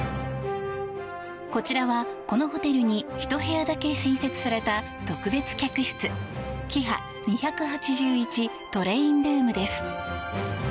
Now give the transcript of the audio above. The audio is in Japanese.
こちらは、このホテルに１部屋だけ新設された特別客室キハ２８１トレインルームです。